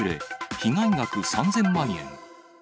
被害額３０００万円。